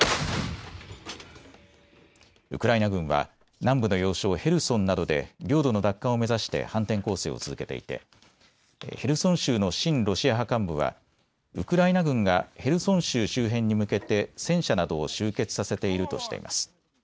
ウクライナ軍は南部の要衝、ヘルソンなどで領土の奪還を目指して反転攻勢を続けていてヘルソン州の親ロシア派幹部はウクライナ軍がヘルソン州周辺に向けて戦車などを集結させているとしています。